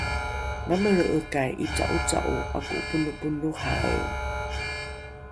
mamelre’ekai ’ica’oca’o ’ako’oponoponohae?